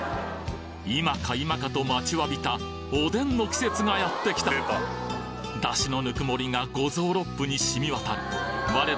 今か今かと待ちわびたおでんの季節がやってきた出汁のぬくもりが五臓六腑に染みわたる我ら